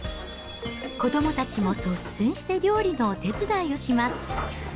子どもたちも率先して料理のお手伝いをします。